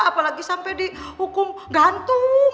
apalagi sampai dihukum gantung